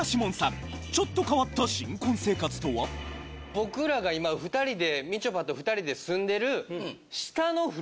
僕らが今２人でみちょぱと２人で住んでる。